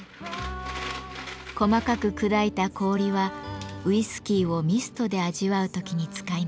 細かく砕いた氷はウイスキーをミストで味わう時に使います。